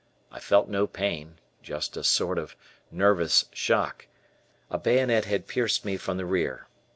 I felt no pain just a sort of nervous shock. A bayonet had pierced me from the rear.